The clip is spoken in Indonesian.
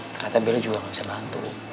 ternyata bella juga gak bisa bantu